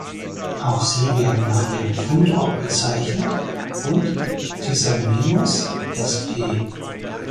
Auch sie werden nach ihrem Fundort bezeichnet und "Tisamenus" sp.